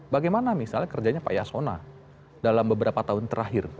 bagaimana misalnya kerjanya pak yasona dalam beberapa tahun terakhir